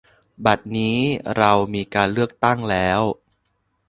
บัดนี้เรามีการเลือกตั้งแล้ว